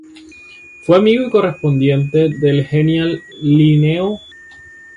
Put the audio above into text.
Fue amigo y correspondiente del genial Linneo.